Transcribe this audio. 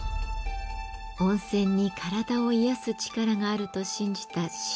温泉に体を癒やす力があると信じた信玄。